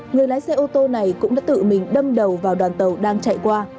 người lái xe ô tô này cũng đã tự mình đâm đầu vào đoàn tàu đang chạy qua